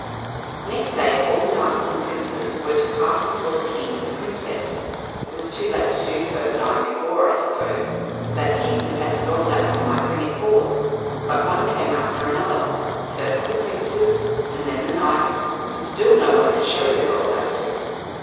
Next day all the knights and princes were to pass before the king and the Princess—it was too late to do so the night before, I suppose—that he who had the gold apple might bring it forth; but one came after another, first the princes, and then the knights, and still no one could show the gold apple.